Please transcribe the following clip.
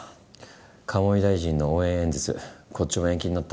鴨井大臣の応援演説こっちも延期になった。